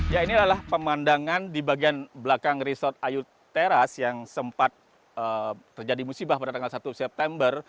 ya ini adalah pemandangan di bagian belakang resort ayu teras yang sempat terjadi musibah pada tanggal satu september